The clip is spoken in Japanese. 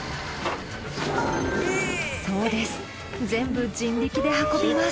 そうです全部人力で運びます。